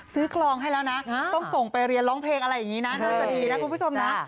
คลองให้แล้วนะต้องส่งไปเรียนร้องเพลงอะไรอย่างนี้นะน่าจะดีนะคุณผู้ชมนะ